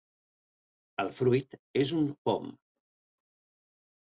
El fruit és un pom.